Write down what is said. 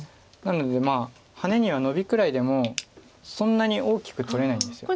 なのでハネにはノビくらいでそんなに大きく取れないんです。